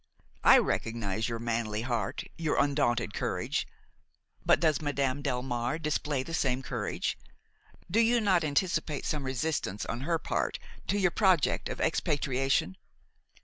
I recognize your manly heart, your undaunted courage. But does Madame Delmare display the same courage? Do you not anticipate some resistance on her part to your project of expatriation?"